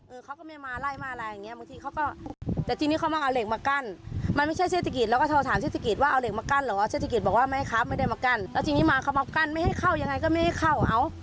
เขาก็ไม่มาไล่มาอะไรอย่างเงี้บางทีเขาก็แต่ทีนี้เขามาเอาเหล็กมากั้นมันไม่ใช่เศรษฐกิจแล้วก็โทรถามเทศกิจว่าเอาเหล็กมากั้นเหรอเศรษฐกิจบอกว่าไม่ให้ครับไม่ได้มากั้นแล้วทีนี้มาเขามากั้นไม่ให้เข้ายังไงก็ไม่ให้เข้าเอา